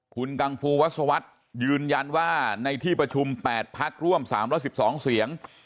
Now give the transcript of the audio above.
คุณกังฟูวัศวรรษยืนยันว่าในที่ประชุม๘พักร่วม๓๑๒เสียง